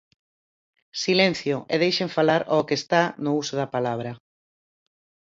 Silencio, e deixen falar ao que está no uso da palabra.